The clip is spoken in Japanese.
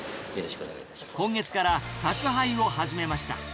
今月から宅配を始めました。